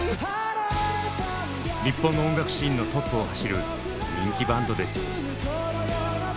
日本の音楽シーンのトップを走る人気バンドです。